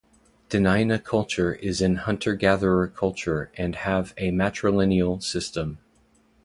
Dena'ina culture is an hunter-gatherer culture and have a matrilineal system.